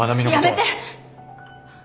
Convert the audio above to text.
やめて！